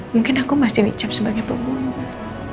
mungkin aku masih licap sebagai pembunuh